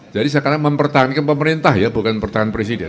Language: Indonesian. jadi sekarang mempertahankan pemerintah ya bukan mempertahankan presiden